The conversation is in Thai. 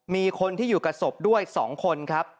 มีคนที่อยู่กับศพด้วย๒คนครับ